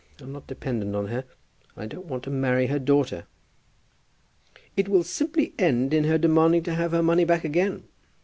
I'm not dependent on her, and I don't want to marry her daughter." "It will simply end in her demanding to have her money back again."